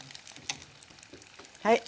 はい。